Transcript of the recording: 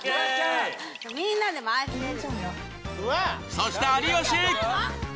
そして有吉。